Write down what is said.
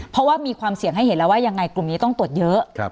เพราะว่ามีความเสี่ยงให้เห็นแล้วว่ายังไงกลุ่มนี้ต้องตรวจเยอะ